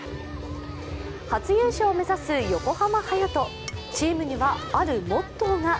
初優勝を目指す横浜隼人、チームには、あるモットーが。